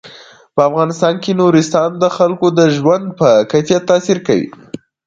په افغانستان کې نورستان د خلکو د ژوند په کیفیت تاثیر کوي.